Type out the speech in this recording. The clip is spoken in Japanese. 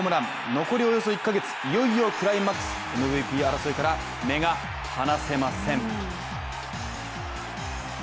残りおよそ１か月、いよいよクライマックス、ＭＶＰ争いから目が離せません。